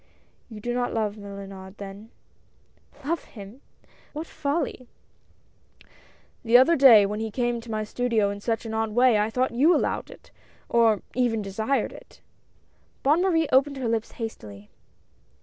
You do not love Mellu nard then ?"" Love him ? What folly !" QUARRELS AND INSULTS. 163 " The other day, when he came to my studio in such an odd way, I thought you allowed it — or even desired it." Bonne Marie opened her lips hastily.